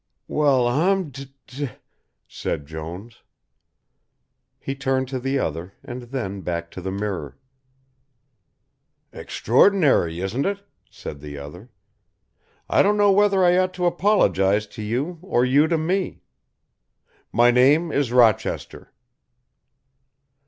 "Well, I'm d d d ," said Jones. He turned to the other and then back to the mirror. "Extraordinary, isn't it?" said the other. "I don't know whether I ought to apologise to you or you to me. My name is Rochester."